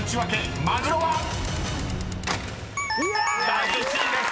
［第１位です］